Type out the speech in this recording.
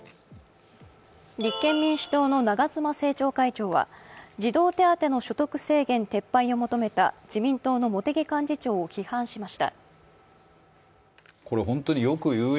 立憲民主党の長妻政調会長は児童手当の所得制限撤廃を求めた自民党の茂木幹事長を批判しました。